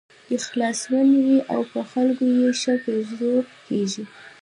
اخلاصمن وي او په خلکو یې ښه پیرزو کېږي.